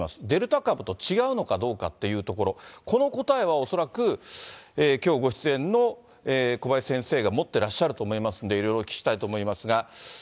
デルタ株と違うのかどうかっていうところ、この答えは恐らく、きょうご出演の小林先生が持ってらっしゃると思いますんで、いろいろお聞きしたいと思いますが。